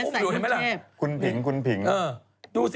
ไม่หนู